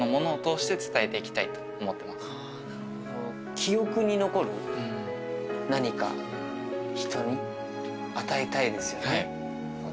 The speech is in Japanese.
記憶に残る何か、人に与えたいですよね。